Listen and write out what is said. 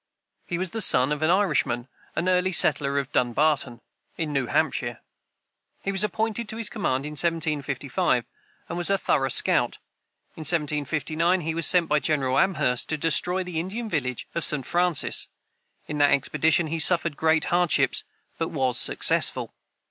He was the son of an Irishman, an early settler of Dunbarton, in New Hampshire. He was appointed to his command in 1755, and was a thorough scout. In 1759, he was sent by General Amherst to destroy the Indian village of St. Francis. In that expedition he suffered great hardships, but was successful.